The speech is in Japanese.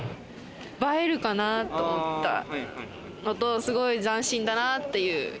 映えるかなと思ったのと、すごい斬新だなっていう。